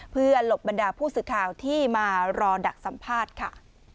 เพื่อหลบบรรดาผู้สื่อข่าวที่มารอดักสัมภาษณ์ค่ะ